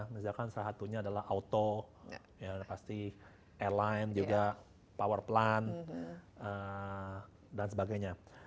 misalkan salah satunya adalah auto pasti airline juga power plant dan sebagainya